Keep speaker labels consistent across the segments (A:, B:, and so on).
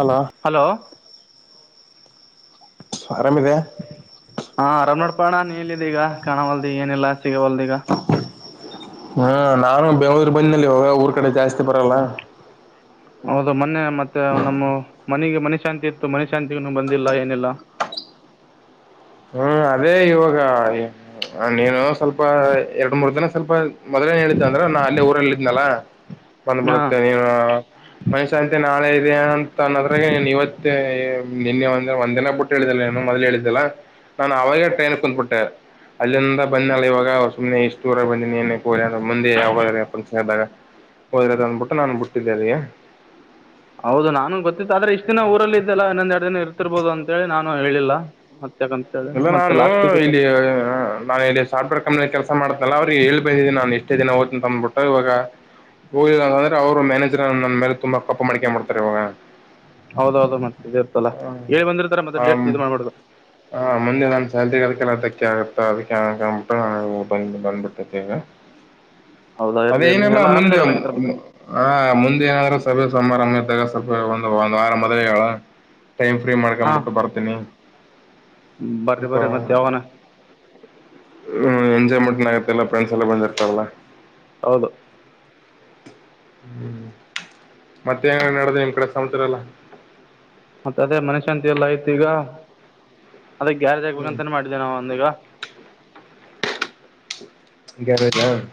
A: ಅಲ.
B: ಹಲೋ ಹಾ ಆರಾಮ್ ನೋಡ್ಪಣ ನೀಲ್ಲಿದ ಈಗ ಕಾಣವಲ್ದಿಗ ಏನಿಲ್ಲ ಸಿಗವಲ್ದಿಗ.
A: ಹಾ ನಾನು ಬೆಂಗ್ಳೂರು ಬಂದಿನೆಲ್ಲಾ ಇವಾಗ ಊರ್ ಕಡೆ ಜಾಸ್ತಿ ಬರಲ್ಲ
B: ಹೌದ ಮೊನ್ನೆ ಮತ್ತೆ ನಮ್ಮ ಮನಿಗೆ ಮನೆ ಶಾಂತಿ ಇತ್ತು ಮನೆ ಶಾಂತಗು ನಾನ್ ಬಂದಿಲ್ಲ ಏನಿಲ್ಲ
A: ಹ್ಮ್ ಅದೇ ಇವಾಗ ನೀನು ಸ್ವಲ್ಪ ಎರಡು ಮೂರು ದಿನ ಸ್ವಲ್ಪ ಮೊದ್ಲೇ ಹೇಳಿದ್ ಅಂದ್ರ ನಾ ಅಲ್ಲೆ ಊರಲ್ಲಿ ನಲ
B: ಹಾ
A: ಬಂದ್ಬಿಡುತ್ತೆ ನೀನು ಮನುಷ್ಯ ಅಂತೆ ನಾಳೆ [unintelligible] ಏನಂತ ಅನ್ನದ್ರಾಗ ಇವತ್ತೆ ನಿನ್ನೆ ಒಂದ ಒಂದಿನಾ ಬಿಟ್ಟು ಹೇಳಿದಿಲ್ಲ ನು ಮೊದ್ಲು ಹೇಳಿದೆಲ್ಲಾ ನಾನನ್ ಅವಾಗೇ ಟ್ರೈನ್ ಕುಂದ್ಬಿಟ್ಟೆ ಅಲ್ಲಿಂದ ಬನ್ನೆಲ್ಲ ಇವಾಗ ಸುಮ್ನೆ ಇಷ್ಟ ದೂರ ಬಂದಿನಿ ಇನ್ಯಾಕ್ ಹೋಗ್ಲಿ ಅಂತ ಮುಂದೆ ಯಾವಾಗ ಹೋದ್ರ ಫಂಕ್ಷನ್ ಇದ್ದಾಗ ಹೋದ್ರೆ ಅತ್ ಅಂದ್ಬಿಟ್ಟು ನಾನು ಬಿಟ್ಟಿದ್ದೆ ಅಲ್ಲಿ
B: ಹೌದು ನಾನು ಗೊತ್ತಿತ್ತು ಆದ್ರೆ ಇಷ್ಟ್ ದಿನ ಊರಲ್ಲಿ ಇದ್ದಲ್ಲ ಇನ್ನೊಂದ್ ಎರಡು ದಿನ ಇರ್ತಿರ್ಬೋದು ಅಂತೇಳಿ ನಾನು ಹೇಳ್ಲಿಲ್ಲ
A: ಇಲ್ಲ ನಾನು ಇಲ್ಲಿ ನಾನ್ ಇಲ್ಲಿ ಸಾರ್ಟ್ವೇರ್ ಕಂಪ್ನಿಯಲ್ಲಿ ಕೆಲಸ ಮಾಡ್ತನಲ್ಲ ಅವ್ರಿಗೆ ಹೇಳಿ ಬಂದಿದ್ದೀನಿ ನಾನು ಎಷ್ಟ ದಿನ ಹೋಗತೀನಿ ಅಂದ್ಬಿಟಟ್ಟ ಇವಾಗ ಹೋಗಿಲ್ಲ ಅಂದ್ರೆ ಅವ್ರರು ಮ್ಯಾನೇಜರ್ ನನ್ನ ಮೇಲೆ ತುಂಬಾ ಕೋಪ ಮಾಡಿಕೊಂಡ್ ಬಿಡ್ತಾರೆ ಇವಾಗ
B: ಹೌದೌದು ಮತ್ತ ಇರ್ತಲ್ಲ ಹೇಳಿ ಬಂದಿರ್ತಾರ್ ಮತ್ತೆ
A: ಹಾಂ
B: ಡೇಟ್ ಇದ್ಮಾಡ್ಬಾರ್ದು
A: ಹಾಂ ಮುಂದೆ ನನ್ ಸಲ್ತಿ ಅದಕ್ಕೆಲ್ಲ ಅದಕ್ಕೆ ಆಗುತ್ತ ಅದಕ್ಕೆ ಕ್ಬಿಟ್ಟ ನ ಬಂದ ಬಂದ್ಬಿಟ್ಟೈತೆ ಈಗ
B: ಹೌದಾ
A: [unintelligible]
B: ಇರ್ಲಿ ಇರ್ಲಿ
A: ಅದೇನೆಲ್ಲ
B: ಎಲ್ಲ
A: ಮುಂದೆ
B: ಆರಾಮಿದಾರಲ್ಲ
A: ಮು
B: ಹಂಗಿದ್ರ ಬ
A: ಮು ಹ ಮುಂದೆ ಏನಾದ್ರೂ ಸ ಸೋಮಾರ ತ ಸ್ವೆ [unintelligible] ಒಂದು ಒಂದು್ ವಾರ ಮೊದಲ ಹೇಳಳ ಟೈಮ್ ಫ್ರೀ ಮಾಡ್ಕೊಂಡ್
B: ಹಾ
A: ಬಿಟ್ಟು ಬರ್ತೀನಿ
B: ಬರ್ರಿ
A: ಅಪ
B: ಬರ್ರಿ ಮತ್ತೆ ಯಾವನ
A: [unintelligible] ಮ [unintelligible] ಆಗತ್ತೆಲ್ಲ ಫ್ರೆಂಡ್ಸ್ ಎಲ್ಲ ಬಂದ್ರ್ತಲ್ಲ
B: ಹೌದು
A: ಹ್ಮ್ ಮತ್ತೇನ್ ನಡೆದ ನಿಮ್ ಕಡೆ ಸಮಾಚಾರ ಎಲ್ಲ
B: ಮತ್ತ ಅದೇ ಮನಶಾಂತಿ ಎಲ್ಲ ಆಯ್ತು ಈಗ ಅದೆ ಗ್ಯಾರೇಜ್
A: ಹ್ಮ್
B: ಆಗ್ಬೇಕಂತಾನೆ ಮಾಡಿದ್ದೇ ನಾವು ಅದ್ದನೀಗ
A: ಈಗಾರರಾ [unintelligible]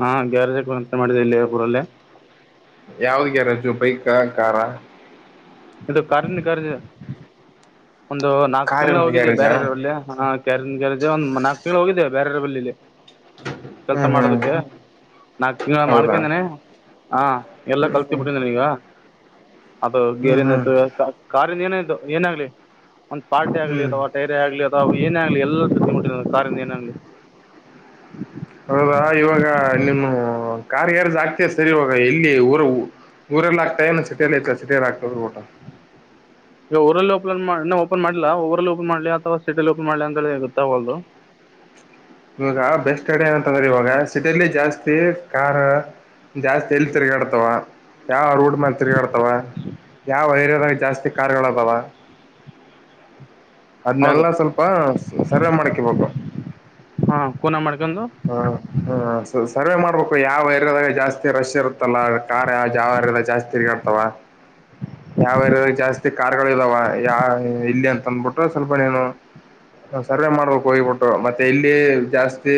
B: ಹಾ ಗ್ಯಾರೇಜ್ ಇಕ್ಬೇಕು ಅಂತ ಮಾಡಿದ್ದೆ ಇಲ್ಲೇ ಊರಲ್ಲೇ
A: ಯಾವುದ್ ಗ್ಯಾರೇಜ್ ಬೈಕ ಕಾರ
B: ಇದು ಕಜ ಕಜ [unintelligible] ಒಂದು ನಾಲ್ಕ್ ತಿಂಗಳು
A: ಕಾರಿನ
B: ಹೋಗಿದೆೆ
A: ಗ್ಯಾರೇಜಾ
B: ಬೇರೇರಾವಲಿ ಅಲ್ಲಿ ಕ್ಯಾರನ್ ಗ್ಯಾರೇಜ್ ಒಂದ ನಾಕ್ ನಿ ಹೋಗಿದ್ಯಾ ಬ್ಯಾರೆರ ಬಲ್ಲಿಲಿ ಕೆಲ್ಸ
A: ಹ್ಮ್ ಹ್ಮ್
B: ಮಾಡೋದಿಕ್ಕೆ ನಾಲ್ಕ್ ತಿಂಗಳ
A: ಹೌದಾ
B: ಮಾಡ್ಕಂಡನೆ ಹಾ ಎಲ್ಲ
A: ಹ್ಮ್
B: ಕಲ್ತ
A: ಹ್ಮ್
B: ಬಿಟಿ ನಾನೀಗ ಅದು ಗೇರಿ
A: ಹ್ಮ್
B: ಕಾರಿಂದ ಏನ ಏನಾಗ್ಲಿ ಒಂದು ಪಾರಿ ಆಗ್ಲಿ
A: ಹ್ಮ್
B: ಅಥವಾ ಏರಿಯ ಆಗ್ಲಿ ಅದು ವು ಏನ ಆಾಗ್ಲಿ ಎಲ್ಲ ತಿನ್ಬಿಟ್ಟ ಕಾರಿಂದ ಏನ ಆಾಗ್ಲಿ
A: ಹ್ಮ ಕಾರ್ ಎಾರ್ದ ಆಗ್ತ ಸರಿ ಇವಾಗ ಎಲ್ಲಿ ಊರ ಊರಲ್ಲ ಆಗ್ತಾ ಇನ ಸಿಟಿಯಲ್ಲ ಐತ ಸಿಟಿಯಲ್ಲ ಆಗ್ತದ ಊಟ
B: ಈಗ ಊರಲ್ಲಿ ಓಪನ್ ಓಪನ್ ಮಾಡ್ಲಾ ಊರಲ್ಲಿ ಓಪನ್ ಮಾಡ್ಲಿ ಅಥವಾ ಸಿಟಿಲ್ಲಿ ಓಪನ್ ಮಾಡ್ಲಿ ಅಂತಿ ಗೊ ಅವಲ್ದು
A: ಇವಾಗ ಬೆಸ್ಟ್ಡ್ ಏನಂತಂದ್ರೆ ಇವಾಗ ಸಿಟಿಲ್ಲಿ ಜಾಸ್ತಿ ಕಾರ್ ಜಾಸ್ತಿ ಎಲ್ಲಿ ತಿರ್ಗಾಡ್ತಾವ ಯಾವರು ಹಡ್ ಮತ್ರಿಗಾ ಆಡ್ತಾವ ಯಾವ ೈರ್ಯದಾಗ ಜಾಸ್ತಿ ಕಾರ್ುಗಳಬಲ್ಲ
B: ಹೌದು
A: ಅದನ್ನಲ್ಲ ಸ್ವಲ್ಪ ಸರ್ವೆ ಮಾಡಕಬೇಕು
B: ಹಾ ಕೂನ ಮಾಡ್ಕಂದುು
A: ಹ ಸರ್ವೆ ಮಾಡ್ಬೇಕು ಯಾವ ಏರಯ್ಯಾದಾಗ ಜಾಸ್ತಿ ರಶ್ ಇರುತ್ತಲ್ಲ ಕಾರ್ ಯಾವ ಯಾವಾಗ ಜಾಸ್ತಿ ತಿರ್ಗಾಡ್ತಾವ ಯಾವ ರಿಯದಾಗ ಜಾಸ್ತಿ ಕಾರ್ಗಳು ಇದಾವ ಯಾವ ಇಲ್ಲಿ ಅಂತಂದಬಿಟ್ಟು ಸ್ವಲ್ಪ ನೀನು ಸರ್ವೆ ಮಾಡ್ಬೇಕ ಹೋಗಿಬಿಟ್ಟು ಮತ್ತೆ ಇಲ್ಲಿ ಜಾಸ್ತಿ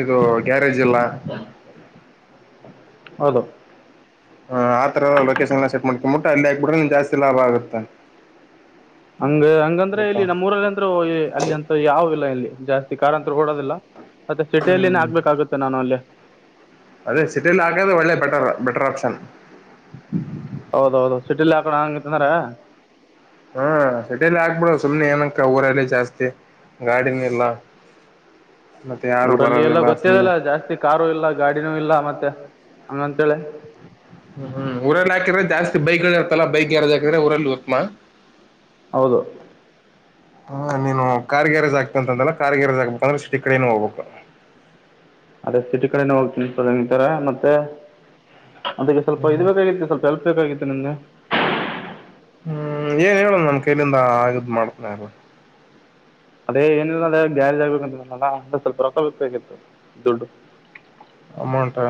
A: ಇದು ಗ್ಯಾರೇಜ್ ಬ ಜಿಲ್ಲ
B: ಹೌದು
A: ಹ ಆ ತರ ಲೊಕೇಶನ್ ಎಲ್ಲ ಸೆಟ್ ಮಾಡ್ಿ ಮುಟ್ಟ ಅಲ್ಲಿ ಹಾಕ್ಬಿಟ್ರೆನ್ ಜಾಸ್ತಿ ಲಾಭ ಆಗುತ್ತೆ
B: ಹಂಗ ಹಂಗಂದ್ರೆ
A: ಗೊತ್ತಾ
B: ಇಲ್ಲಿ ನಮ್ಮ ಊರಲ್ಲಿ ಅಂದ್ರೆ ಅಲ್ಲಿ ಅಂತ ಯಾವ ಇಲ್ಲ ಇಲ್ಲಿ ಜಾಸ್ತಿ ಖ ಅಂತ ಕೊಡೋದಿಲ್ಲ ಮತ್ತೆ ಸಿಟಿಯಲ್ಲಿನೇ
A: ಹ್ಮ್
B: ಆಗ್ಬೇಕಾಗುತ್ತೆ ನಾನು ಅಲ್ಲಿ
A: ಅದೇ ಸಿಟಿಲ್ ಹಾಕದು ಒಳ್ಳೆ ಬೆಟರ್ ಬೆಟರ್ ಆಪ್ಷನ್
B: ಹೌದೌದು ಸಿಟಿಲಿ ಹಾಕಣ ಹಂಗತ್ತಂದ್ರ
A: ಹ್ಮ ಸಟಿಯಲಿ ಆಗ್ಬಿಡ ಸುಮ್ನೆ ಏನಕ್ಕ ಊರಲ್ಲಿ ಜಾಸ್ತಿ ಗಾಡಿನ ಇಲ್ಲ ಮತ್ತೆ ಯಾರು
B: ಊರಲ್ಲಿ ಎಲ್ಲ
A: ಬರೋದಿಲ್ಲ ಸುಮ್ನೆ
B: ಗೊತ್ತಿದಲ್ಲ ಜಾಸ್ತಿ ಕಾರು ಇಲ್ಲ ಗಾಡಿನೂ ಇಲ್ಲ ಮತ್ತೆ ಅಂಗಂತಳೆ
A: ಹ್ಮ್ ಹ್ಮ್ ಊರಲ್ಲಿ ಹಾಕಿದ್ರೆ ಜಾಸ್ತಿ ಬೈಗ್ಗಳು ಇರ್ತಲ್ಲಾ ಬೈಗ್ ಎಾರದಾಕಿದ್ರೆ ಊರಲ್ಲಿ ಹತ್್ಮಾ
B: ಹೌದು
A: ಹಾ ನೀನು ಕಾರ್ಗರಜ್ ಆಗ್ತಂತಂತಲ್ಲ ಕಾರ್ಗರಜ್ ಆಕ್ಬೇಕಂದ್ರೆ ಸಿಟಿ ಕಡೆನು ಹೋಗ್ಬೇಕು
B: ಅದೇ ಸಿಟಿ ಕಡೆನೆ ಹೋಗ್ತೀನಿ ಸಲ್ ಹಂಗಿತರ ಮತ್ತೆ ಅದಕ್ಕೆ ಸ್ವಲ್ಪ
A: ಹ್ಮ್
B: ಇದು ಬೇಕಾಗಿತ್ತು ಸ್ವಲ್ಪ ಎಲ್ಪ್ ಬೇಕಾಗಿತ್ತು ನಿಮ್ದಗೆ
A: ಹ್ಮ್ ಏನ್ ಹೇಳುದು ನಮ್ ಕೈಲಿಂದ ಆಗದ್ ಮಾಡ್ತನಲ್ಲ
B: ಅದೇ ಏನಿಲ್ಲ ಅದ ಗ್ಯಾರಜ್ ಆಗ್ಬೇಕಂತಲ್ಲ ಅಂದ್ರೆ ಸ್ವಲ್ಪ ರೊತ ಬೇಕಬೇಕಾಗಿತ್ತು ದುಡ್ಡು
A: ಅಮೌಂಟಾ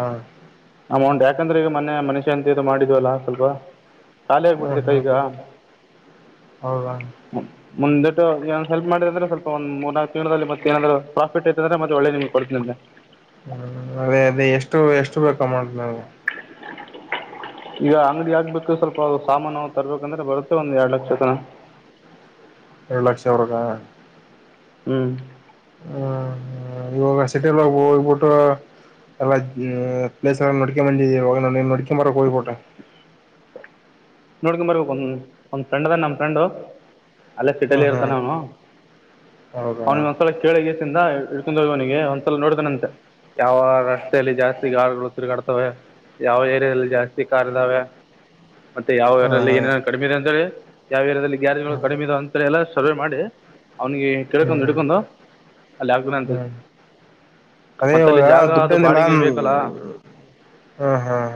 B: ಅಮೌಂಟ್ ಯಾಕಂದ್ರೆ ಈಗ ಮನೆ ಮನುಷ್ಯ ಅಂತ ಮಾಡಿದ್ವಲ್ಲ ಸ್ವಲ್ಪ ಕಖಾಲ
A: ಹ್ಮ್
B: ಆಗ್ಬಿಟ್ಟಿದೆ
A: ಹ್ಮ್
B: ಕೈಗ
A: ಹೌದಾ ಹ್ಮ್
B: ಮುಂದೆಟ್ಟು ಏ ಹೆಲ್ಪ್ ಮಾಡಿದ ಅಂದ್ರೆ ಸ್ಲ್ ಒಂದ್ ಮೂರ್ನಾಲ್ಕು ತಿಂಗಳಲ್ಲಿ ಮತ್ತ ನಾದ್ರರು ಪ್ರಾಫಿಟ್ ಐ ಅಂದ್ರೆತ್ತೆ ಒಳ್ಳೆ ನಿಮ್ಗೆಡ್ತೀನಂತೆ
A: ಹ್ಮ್ ಅದೇ ಅದೇ ಎಷ್ಟು ಎಷ್ಟು ಬೇಕ ಮಾಡ ನವು
B: ಈಗ ಅಂಗಡಿ ಆಾಗ್ಬೇಕು ಸ್ವಲ್ಪ ಸಾಮಾನು ತರ್ಬೇಕಂದ್ರೆ ಬರುತ್ತೆ ಒಂದ್ ಎರಡ್ ಲಕ್ಷತನ
A: ಏಡು ಲಕ್ಷ ಅವ್ರಗ
B: ಹ್ಮ್
A: ಹ್ಮ್ ಇವಾಗ ಸಿಟಿಯಲ್ಲಿೋಗ ಹೋಗ್ಬಿಟ್ಟು ಎಲ್ಲಾ ಪ್ಲೇಸ್ ನಡ್ಕ ಬಂದಿದ್ದ ಇವಾಗ ನ ನಡ್ಕೊಂಡಂಬರಕ್ ಹೋಗ್ಬಿಟ್ಟು
B: ನೋಡ್ಕೊ್ ಬರ್ಬೇಕು ಒಂದ ಒಂದ್ ಫ್ರೆಂಡ್ ಅದ ನಮ್ ಫ್ರೆಂಡ್ ಅಲ್ಲೇ ಸಿೆಟಲಿ
A: ಹ್ಮ್
B: ಇರ್ತಾನೆ
A: ಹ್ಮ್
B: ಅವನು
A: ಹೌದಾ
B: ಅವ್ನ ಒಂದ್ಸಲ ಕೇಳಗಸಿಂದ ಇಡ್ಕೊಂಡ್ ಹೋಗುವವನಿಗೆ ಒಂದಸಲ ನೋಡತನಂತೆ ಯಾವ ರಸ್ತತೆೆಯಲ್ಲಿ ಜಾಸ್ತಿಗ ತಿಗಾಡ್ತವೆ ಯಾವ ಏರಿಯಾದಲ್ಲಿ ಜಾಸ್ತಿ ಖಾರ್ ಇದ್ದಾವೆ ಮತ್ತೆ ಯಾವ ಯಾರಲ್ಲಿ
A: ಹ್ಮ್
B: ಏನೇನ ಕಡಿಮೆ ಇ ಅಂದ್ರೆ ಯಾವ್ಯರಲ್ಲಿ ಯಾರಗಳು
A: ಹ್ಮ್
B: ಕಡಿಮೆ ಅಂತರ ಎಲ್ಲ ಸರ್ವೆ ಮಾಡಿ ಅವ್ನಿಗೆ ಕಳ್ಕೊಂಡ್
A: ಹ್ಮ್
B: ಹಿಡ್ಕೊಂಡು ಅಲ್ಲಿ ಆಗ್
A: ಹ್ಮ್
B: ಅಂತ
A: ಹ್ಮ್ ಅದೇ
B: ಮತ್ತ
A: ಇವಾಗ
B: ಅಲ್ಲಿ ಜಾಗ ಅದು
A: ದುಡ್ಡಂದಿಲ್ಲ
B: ಬಾಡಿಗೆ
A: ಹ್ಮ್
B: ಬೇಕಲ್ಲ
A: ಹ್ಮ್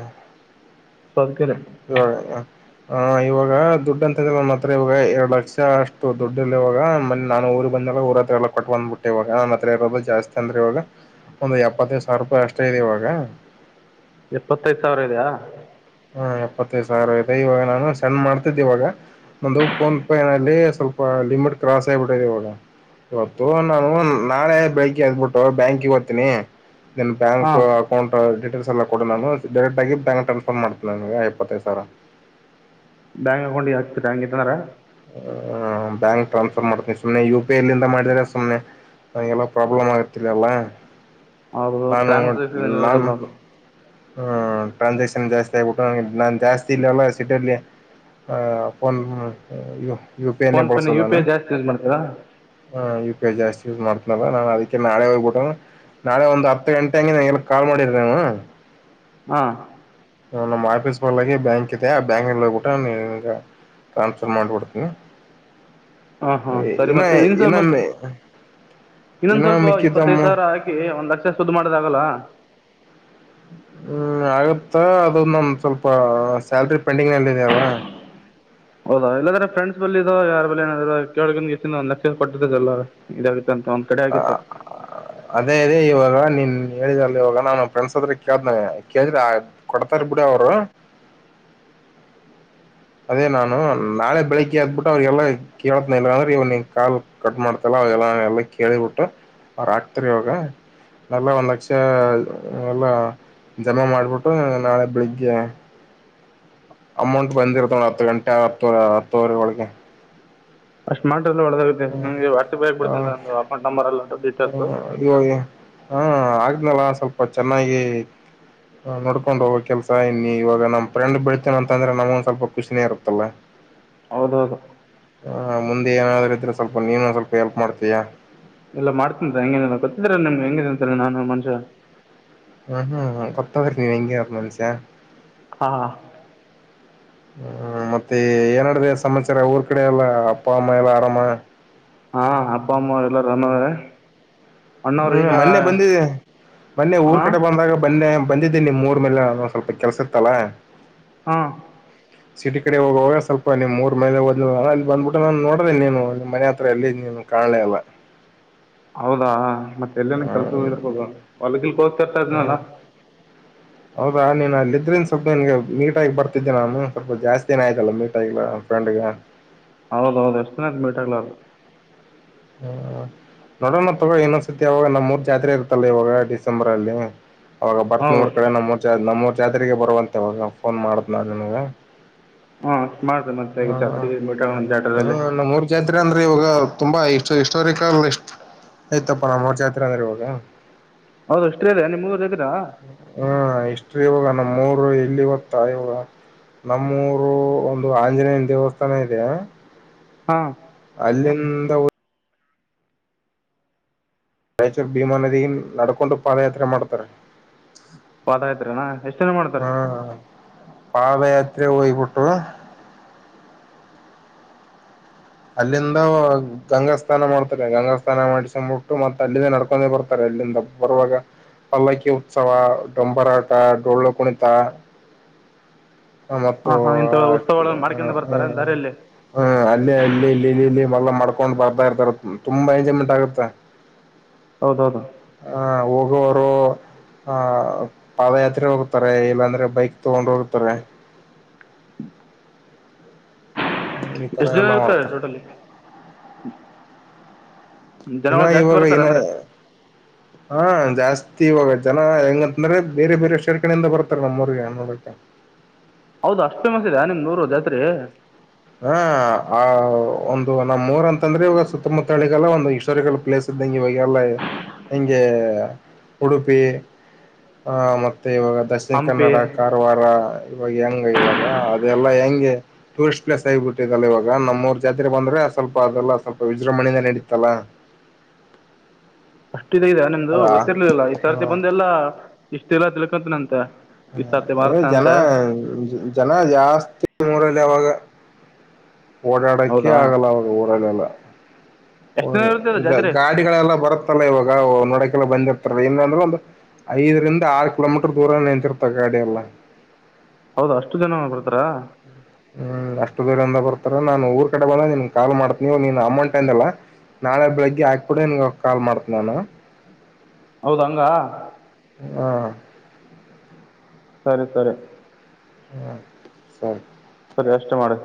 B: ಸ್ವದುಕ
A: ಇವಾಗ ದುಡ್ ಅಂತ್ರ ಒ ಹತ್ರ ಇವಾಗ ಎರಡು ಲಕ್ಷ ಅಷ್ಟು ದುಡ್ಡು ಇಲ್ ಇವಾಗ ಮನ್ನೆ ನಾನು ಊರಿಗೆ ಬಂದಾಗ ಊರ ಹತ್ರರಲ್ಲ ಕಟ್ಕಂದ್ಬಿಟ್ಟೆ ಇವಾಗ ನ ಹತ್ರ ಎರಡು ಜಾಸ್ತಿ ಅಂದ್ರೆ ಇವಾಗ ಒಂದು್ ಎಪ್ಪತ್ತೈದು ಸಾವಿರ ರೂಪಾಯಿ ಅಷ್ಟೇ ಇದೆ ಇವಾಗ
B: ಎಪ್ಪತ್ತೈದ ಸಾವಿರ ಇದೆಯ
A: ಹಾ ಎಪ್ಪತ್ತೈದು ಸಾವಿರ ಆಯ್ತಾ ಇವಾಗ ನಾನು ಸಣ್ಣ ಮಾಡ್ತಿದ್ದೆ ಇವಾಗ ಒಂದುಪ್ಪನ್ ಪನಾಲ ಸ್ವಲ್ಪ ಲಿಮಿಟ್ ಕ್ರಾಸ್ ಆಗಿಬಿಟ್ಟ ಇವಾಗ ಇವತ್ತು ನಾನು ನಾಳೆ ಬೆಳಿಗ್ಗೆ ಎದ್ಬಿಟ್ಟು ಬ್ಯಾಂಕಿಗೆ ಓದ್ತೀನಿ ದನ್ ಬ್ಯಾಂಕ್
B: ಹಾಂ
A: ಅಕೌಂಟ್ ಡೀಟೇಲ್ಸ್ ಎಲ್ಲ ಕೊಡ ನಾನ ಡೈರೆಕ್ಟ್ ಆಗ ಬ್ಯಾಕ್ ಟ್ರನ್ಸ್ಫರ್ ಮಾಡ್ೀನೆ ಯಪ್ಪತಾಯ ಸರ
B: ಬ್ಯಾಂಕ್ ಅಕೌಂಟ್ಿಗೆ ಹಾತಿ ಹಂಗೆಂದಾರ
A: ಬ್ಯಾಂಕ್ ಟ್ರಾನ್ಸ್ಫರ್ ಮಾಡ್ತೀನಿ ಸುಮ್ಮನೆ ಯು ಪಿ ಐಲ್ಲಿಂದ ಮಾಡಿದರೆ ಸುಮ್ಮನೆ ಹಾಗಗೆಲ್ಲ ಪ್ರಾಬ್ಲಮ್ ಆಗತ್ತಿಲ್ಲ ಅಲ್ಲ
B: ಹೌದು ಟ್ರಾನ್ರದಲ್ಲ ಅದು
A: ಟ್ರಾನ್ಸಾಕ್ಷನ್ ಜಾಸ್ತಿ ಆಗಿಬಿಟ್ಟು ನನಗೆ ನಾನು ಜಾಸ್ತಿ ಇಲ್ಲವಲ್ಲ ಸಿಟಿಯಲ್ಲಿ ಫೋನ್ ಯ
B: ಫೋನ್ಪೇನ ಯು ಪಿ ಐ ಜಾಸ್ತಿ ಯೂಸ್ ಮಾಡ್ತರಾ
A: ಯು ಜಾಸ್ತಿ ಯಸ್ ಮಾಡ್ತನಲ್ಲ ನಾನ್ ಅದಕ್ಕೆ ನಾಳೆ ಹೋಗ್ಬಿಟ ನಾಳೆ ಒಂದು ಹತ್ತು ಗಂಟೆಂಂಗ ನಂಗೆ ಕಾಲ್ ಮಾಡಿದವು
B: ಹಾ
A: ನಮ್ಮ ಆಫೀಸ್ ಬಲಗೆ ಬ್ಯಾಂಕ್ ಇದೆ ಆ ಬ್ಯಾಂಕಲ್ಲಿ ಹೋಗ್ಬಿಟ್ಟುಗ ಟ್ರಾನ್ಸ್ಫರ್ ಮಾಡಿಬಿಡ್ತೀನಿ
B: ಹಾ ಹಾ ಸರಿ
A: ಇನ್ನು
B: ಮತ್ತೆ ಇ ಸ್ವಲ್ ಮ
A: ಇನ್ನೊಮ್ಮೆ
B: ಇನ್ನೊಂದ
A: ಇನ್ನು
B: ಸ್ವಲ್ಪ
A: ಮಿಕ್ಕಿದ
B: ಇಪ್ಪತ್ತೈದು
A: ಅಮೌ
B: ಸಾವಿರ ಹಾಕಿ ಒಂದ್ ಲಕ್ಷ ಸುದ್ದ ಮಾಡದಗಲ್ಲ
A: ಹ್ಮ್ ಆಗತ್ತ ಅದು ನಮ ಸ್ವಲ್ಪ ಸ್ಯಾಲ್ರಿ ಪೆಂಡಿಂಗ್ ನಲ್ಲಿ ಇದಲ್ವಾ
B: ಹೌದಾ ಇಲ್ಲಾದ್ರೆ ಫ್ರೆಂಡ್ಸ್ ಬ ಇ ಯಾರ ಬಲ್ಲಿ ಏನಾದ ಕೆ ಒ ಲಕ್ಷ ಕೊಟ್ಟತದಲ್ಲ ಇದ
A: ಹ ಅದೇ ಇದೆ ಇವಾಗ ನಿ ಹ್ಮ ಹೇಳಿದಲ್ಲಿ ಇವಾಗ ನಮ್ಮ ಫ್ರೆಂಡ್ಸ್ ಹದ್ರ ಕೇಳ್ದನ ಕೇಳಿದ್ರಿ ಕೊಡ್ತಾರ ಬಿಡಿ ಅವರು ಅದೇ ನಾನು ನಾಳೆ ಬೆಳಿಗ್ಗೆ ಅದ್ಬಿಟ್ಟು ಅವ್ರಿಗೆಲ್ಲ ಕೇಳತ್ನ ಇಲ್ಲ ಅಂದ್ರೆ ಇವನ್ ಕಾಲ್ ಕಟ್ ಮಾಡ್ತಲ್ಲ ಅವಲ್ಲ ಎಲ್ಲ ಕೇಳಿಬಿಟ್ಟು ಅವ್ರ ಆಾಕ್ತಾರ ಇವಾಗ ನೆಲ್ಲ ಒಂದ್ ಲಕ್ಷ ಎಲ್ಲ ಜಮಾ ಮಾಡ್ಬಿಟ್ಟು ನಾಳೆ ಬೆಳಿಗ್ಗೆ ಅಮೌಂಟ್ ಬಂದಿರತ್ತ ಹತ್ತು ಗಂಟೆ ಹತ್ತ ಹತ್ತುವರೆ ಒಳಗೆ
B: ಅಷ್ಟ ಮಾಡ ಒುತ್ತೆಗೆ ವಾಟ್ಸಪ್ ಆಗಿ ಬಿಡ್ ನಂದು ಅಕೌಂಟ್ ನಂಬರ್ ಎಲ್ಲ ೀಟೇಲ್ಸ್
A: ಇವಾಗ ಹಾ ಆಗನಲ್ಲ ಸ್ವಲ್ಪ ಚೆನ್ನಾಗಿ ನೋಡ್ಕೊಂಡ್ ಹೋಗೋ ಕೆಲ್ಸ ಇನ್ನು ಇವಾಗ ನಮ್ ಫ್ರೆಂಡ್ ಬೆೀಳ್ತೇನ ಅಂತಂದ್ರೆ ನಮಗ ಸ್ವಲ್ಪ ಖುಷಿನೇ ಇರುತ್ತಲ್ಲ
B: ಹೌದೌದು
A: ಹ ಮುಂದೆ ಏನಾದ್ರೂ ಇದ್ರೆ ಸ್ವಲ್ಪ ನೀನು ಸ್ವಲ್ಪ ಎಲ್ಪ್ ಮಾಡ್ತೀಯಾ
B: ಎಲ್ಲಾ ಮಾಡ್ತನ್್ರ ಹೆಂಗೇನ ಗೊತ್ತಿದ್ರ ನಿಮ್ಗೆ ಹೆಂಗ ತಿಂತರ ನಾನು ಮನುಷ್ಯ
A: ಹ್ಮ್ ಹ್ಮ್ ಹ್ಮ್ ಕೊತ್ತ ಬರ ನೀ ಭಂಗಿ ಮ ಮನಸಾ
B: ಹಾ
A: ಹ್ಮ ಮತ್ತೆ ಏನಡ್ದ ಸಮಾಚಾರ ಊರ್ ಕಡೆ ಎಲ್ಲಾ ಅಪ್ಪ ಅಮ್ಮ ಎಲ್ಲಾ ಆರಾಮ
B: ಹಾ ಅಪ್ಪಾ ಅಮ್ಮ ಎಲ್ಲಾರ ಅಮ್ಮವರ
A: ಹ್ಮ್ ಮೊನ್ನೆ ಬಂದಿದೆ ಮೊನ್ನೆ ಊರ್
B: ಹಾಂ
A: ಕಡೆ ಬಂದಾಗ ಬನ್ನೆ ಬಂದಿದ್ದೇಿ ನಿಮ್ ಮೂರ್ ಮೇಲೆ ನೊ ಸ್ವಲ್ಪ ಕೆಲ್ಸ ಇರ್ತ್ತಲಾ
B: ಹಾ
A: ಸಿಟಿ ಕಡೆ ಹೋಗುವಾಗ ಸ್ವಲ್ಪ ನಿಮ್ ಮೂರ್ ಮೇಲೆದ್ ಅಲ್ಲಿ ಬಂದ್ಬಿಟ್ಟು ನಾನು ನೋಡ್ರಿ ನೀನು ಮನೆ ಹತ್ರ ಎಲ್ಲಿ ನೀನು ಕಾಣಲೇ ಅಲ್ಲ
B: ಹೌದಾ ಮತ್ತೆ ಎಲ್ಲನ ಕಲ್ಸ ಹ ಹೊಲಗಿಲ್ಕೋ ತನಲ್ಲ
A: ಹೌದಾ ನೀನ್ ಅಲ್ಲ ಇದ್ರಿಂದ ಸ್ವಲ್ಪ ನಿನ್ಗೆ ಮೀಟಾಗಿಿ ಬರ್ತಿದ್ದೆ ನಾನು ಸ್ವಲ್ಪ ಜಾಸ್ತಿನ ಆಯ್ತಲ್ಲ ಮೀಟಾಗಿಲ್ಲ ಫ್ರೆಂಡ್ಗ
B: ಹೌದ ಹೌದು ಎಷ್ಟನ ಮೀಟಾಗಗ್ಲಾರ್ದ
A: ಹ್ಮ ನೋಡೋಣ ತೊಗ ಇನ್ನೊಂದ್ಸತಿ ಯಾವಾಗ ನಮ್ಮ್ ಮೂರ್ ಜಾತ್ರೆ ಇರ್ತಲ್ಲ ಇವಾಗ ಡಿಸೆಂಬರ್ ಅಲ್ಲಿ ಅವಾಗ
B: ಹೌದು
A: ಬರ್ತ್ನವರ್ ಕಡೆ ನಮ್ಮ ನಮ್ಮ ಜಾತ್ರೆಗೆ ಬರುವಂತೆವಾಗ ಫೋನ್ ಮಾಡ್ದ್ ನಾ ನನ್ಗೆ
B: ಹ್ಮ ಮಾಡಿದೆ ಮತ್ತ ಚಾತ್ ಮಟ ಜಟಲ್ಲ
A: ನಮ್ಮೂರ್ ಜಾತ್ರೆ ಅಂದ್ರೆ ಇವಾಗ ತುಂಬಾ ಇ ಹಿಸ್ಟೋಾರಿಕಲ್ ಇ ಆಯತಪ್ಪ ನಮ್ಮ್ ಅವ್ರ ಜಾತ್ರೆ ಅಂದ್ರೆ ಇವಾಗ
B: ಹೌದು ಅಷ್ಟೇ ಮೂರು ಜ
A: ಹ್ಮ ಇಷ್ಟ್ರಿ ನಮ್ಮ ನಮ್ಮೂರು ಇಲ್ಲಿ ಗತ್ತ ಇವ ನಮ್ಮೂರು ಒಂದು ಆಂಜನೇಯನ ದೇವಸ್ಥಾನ ಇದೆ
B: ಹಾ.. !
A: ಅಲ್ಲಿಂದ, ರಾಯಚೂರು ಭೀಮಾ ನದಿಗೆ ನಡೆದುಕೊಂಡು ಪಾದಯಾತ್ರೆ ಮಾಡುತ್ತಾರೆ.
B: ಪಾದಯಾತ್ರೆ ನಾ... ಎಷ್ಟ ಜನ
A: ಹ
B: ಮಾಡ್ತಾರೇ?
A: ಪಾದಯಾತ್ರೆ ಹೋಗಿಬಿಟ್ರು.. ಅಲ್ಲಿಂದ ಗಂಗಾಸ್ನಾನ ಮಾಡ್ತಾರೆ ಗಂಗಾ ಸ್ನಾನ ಮಾಡಿಸೊಂಡ್ಬಿಟ್ಟು ಮತ್ತೆ ಅಲ್ಲಿಂದ ನಡ್ಕೊಂಡೇ ಬರ್ತಾರೆ ಅಲ್ಲಿಂದ ಬರುವಾಗ ಪಲ್ಲಕಿ ಉತ್ಸವ ಡೊಂಬರಾಟ ಡೊಳ್ಳು ಕುಣಿತ ಹ
B: ಹಾಂ ಹಾಂ ಇಂಥ
A: ಮ
B: ಉತ್ಸವಗಳನ್ನು ಮಾಡ್ಕ್ಯಂತ ಬರ್ತಾರೆ ದಾರಿಯಲ್ಲಿ
A: ಹ ಅಲ್ಲಿ ಅಲ್ಲಿಲ್ಲಿ ಇಲ್ಲಿ ಇಲ್ಲಿ ಮಲ್ಲ ಮಾಡ್ಕ ಕಕೊಂಡ್ ಬರ್ತಾ ಇರ್ತಾರ ತುಂಬಾ ಎಂಜಾಯ್ಮೆಂಟ್ ಆಗುತ್ತೆ.
B: ಹೌದೌದು... !
A: ಹಹ ಹೋಗುವವರು ಆಹ ಪಾದಯಾತ್ರೆ ಹೋಗ್ತಾರೆ. ಇಲ್ಲಾಂದ್ರೆ ಬೈಕ್ ತಗೊಂಡ್ ಹೋಗ್ತಾರೆ. ಈ ತರ
B: ಎಷ್ಟು...? ಜನ
A: ಎಲ್ಲಾ
B: ಇರ್ತಾರೆ
A: ಮಾಡ್ತಾರೆ
B: ಟೋಟಲಿ. ಹ್ಮ,,,
A: ಇನ್ನ ಇವಾಗ, ಇನ್ನ ಹಾ.... ! ಜಾಸ್ತಿ. ತಿ ಇವಾಗ ಜನ ಹೆಂಗಂತಂದ್ರೆ ಬೇರೆ ಬೇರೆ ಶಷರ್ಖೆಯಿಂದ ಬರ್ತಾರೆ ನಮ್ಮೂರಿಗೆ ನೋಡ್.
B: ಹೌದು... ಅಷ್ಟ್ ಫೇಮಸ್ ಇದೇನಾ ನಿಮ್ ನಿಮ್ಮೂರ ಜಾತ್ರೆ.
A: ಹ ಆ ಒಂದು ನಮ್ಮ್ ಮೂರ್ ಅಂತಂದ್ರೆ ಇವಾಗ ಸುತ್ತಮುತ್ತಲಿಗೆಲ್ಲ ಒಂದು ಹಶ್ಟೋಾರಿಕಲ್ ಪ್ಲೇಸ್ ಇದ್ದಂಗೆ ಇವಾಗಲ್ಲ ಹಂಗೆ ಉಡುಪಿ ಆ ಮ. ಮತ್ತೆ ಇವಾಗ ದಕ್ಷಿಣ
B: ಹಂಪಿ
A: ಕನ್ನಡ ಕಾರವಾರ ಇವಾಗ ಹೆಂಗ ಇವಾಗ ಅದೆಲ್ಲಾ ಹೆಂಗ. [inaudible] ಲಸ್ ಹಗಿಬಿಟ್ಟಿದಲ್ಲ ಇವಾಗ ನಮ್ಮೂರ್ ಜಾತ್ರೆ ಬಂದ್ರೆ, ಸ್ವಲ್ಪ ಅದೆಲ್ಲ ಸ್ವಲ್ಪ ವಿಜೃಂಭಣೆಯಿಂದ ನಡೀತಲ್ಲ.
B: ಇದೆ ನಿಮ್ದು
A: ಅದಾ
B: ಗೊತ್ತಿರ್ಲಿಲ್ಲಲ್ಲ, ಈ
A: ಹ
B: ಸರ್ತಿ ಬಂದೆಲ್ಲಾ... ! ಇಷ್ಟೆಲ್ಲ ತಿಳ್ಕೊಂತನ ಅಂತೆ.
A: ಹ ಜನ ಜನ ಜಾಸ್ತಿ ಮೂರಲ್ಲಿ ಯಾಗ? ಓಡಾಡಕ್ಕೆೆ
B: ಹೌದಾ
A: ಆಗಲ್ಲ ಅವ್ರ ಊರಲ್ಲೆಲ್ಲ..
B: ಎಷ್ಟು ದಿನ ಇರುತ್ತೆ ಅದು
A: ಹ
B: ಜಾತ್ರೆ
A: ಗಾಡಿಗಳೆಲ್ಲ ಬರುತ್ತಲ್ಲ ಇವಾಗ ನೋಡಕ? ಬಂದಿರ್ತಾರೆ ಇಏನ್,,,, ಅಂದ್ರೆ ಒಂದು ಐದರಿಂದ ಆರು ಕಿಲೋಮೀಟರ್ ದೂರ ನಿಂತಿರ್ತ ಗಾಡಿ ಎಲ್ಲ.
B: ಹೌದ... ಅಷ್ಟು ಜನ ಬರ್ತಾರಾ?
A: ಹ್ಮ್ ಅಷ್ಟು ದೂರಂದ ಬರ್ತಾರೆ ನಾನು ಊರ್ ಕಡೆ ಬಂದ ನಿನ್ ಕಾಲ್ ಮಾಡ್ತನಿ ನಿನ್ ಅಮೌಂಟ್ ಅಂದಲ್ಲಾ, ನಾಳೆ ಬೆಳಿಗ್ಗೆ ಆಾಕಬಿಡನ್ ಕಾಲ್ ಮಾಡ್ತಿ ನಾನು.
B: ಹೌದ್ ಹಂಗ.... !
A: ಹಾ....
B: ಸರಿ... ಸರಿ...
A: ಹ್ಮ ಸ
B: ಸರಿ... ಅಷ್ಟೇ ಮಾಡಿ.